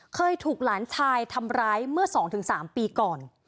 เคยถูกหลานชายทำร้ายเมื่อสองถึงสามปีก่อน